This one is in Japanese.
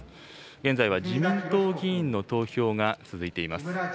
現在は自民党議員の投票が続いています。